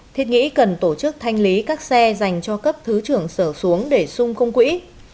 thiết nghĩ cần tổ chức thanh lý các xe dành cho cấp thứ trưởng sở xuống để sung khung quỹ